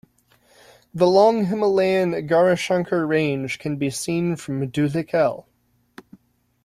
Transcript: The Long Himalayan Gaurishankar range can be seen from Dhulikhel.